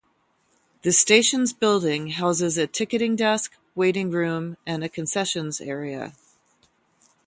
The station's building houses a ticketing desk, waiting room, and a concessions area.